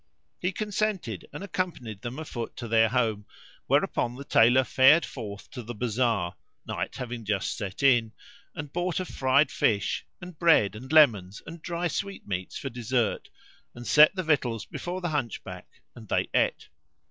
He consented and accompanied them afoot to their home; whereupon the Tailor fared forth to the bazar (night having just set in) and bought a fried fish and bread and lemons and dry sweetmeats for dessert; and set the victuals before the Hunchback and they ate.